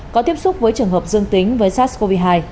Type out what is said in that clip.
có tiếp xúc với trường hợp dương tính với sars cov hai